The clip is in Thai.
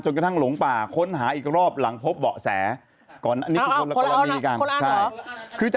อย่างนี้คิดไม่ได้เลย